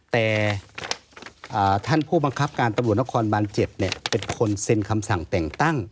แต่ท่านผู้บังคับการตำรวจนครบาน๗เป็นคนเซ็นคำสั่งแต่งตั้ง